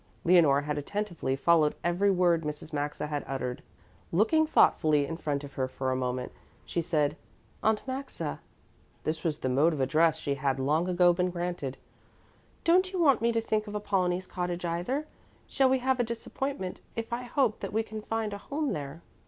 Leonore had attentively followed every word Mrs. Maxa had uttered. Looking thoughtfully in front of her for a moment, she said, "Aunt Maxa" this was the mode of address she had long ago been granted "don't you want me to think of Apollonie's cottage either? Shall we have a disappointment, if I hope that we can find a home there?"